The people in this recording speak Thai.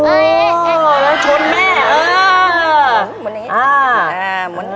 กลับมาเอ้าอ๋อแล้วชนแม่เออหมุนนี้อ่าอ่าหมุนอ่า